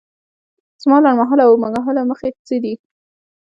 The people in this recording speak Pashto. زما لنډ مهاله او اوږد مهاله موخې څه دي؟